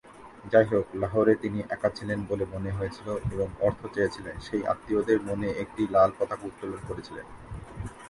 যাইহোক, লাহোরে তিনি একা ছিলেন বলে মনে হয়েছিল, এবং অর্থ চেয়েছিলেন, সেই আত্মীয়দের মনে একটি লাল পতাকা উত্তোলন করেছিলেন।